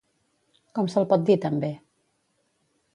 Com se'l pot dir també?